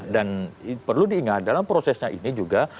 dan perlu diingat dalam prosesnya ini juga